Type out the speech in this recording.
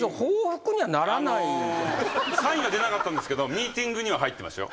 サインは出なかったんですけどミーティングには入ってましたよ。